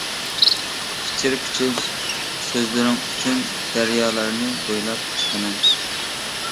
پىچىر-پىچىر سۆزلىرىڭ ئۈچۈن، دەريالارنى بويلاپ چىقىمەن.